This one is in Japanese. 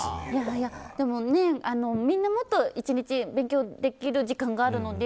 でも、みんなもっと１日で勉強できる時間があるので。